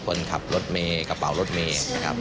คนขับรถเมย์กระเป๋ารถเมย์นะครับ